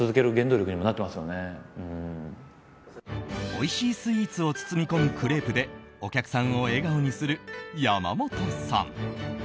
おいしいスイーツを包み込むクレープでお客さんを笑顔にするやまもとさん。